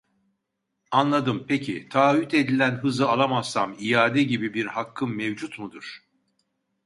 Anladım peki taahhüt edilen hızı alamazsam iade gibi bir hakkım mevcut mudur ?